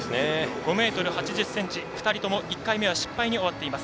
５ｍ８０ｃｍ２人とも１回目は失敗に終わっています